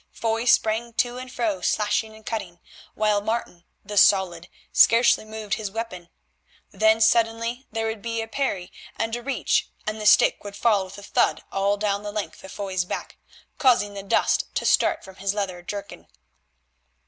Foy sprang to and fro slashing and cutting, while Martin the solid scarcely moved his weapon. Then suddenly there would be a parry and a reach, and the stick would fall with a thud all down the length of Foy's back, causing the dust to start from his leathern jerkin.